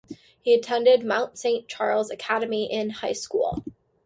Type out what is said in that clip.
He attended Mount Saint Charles Academy in high school.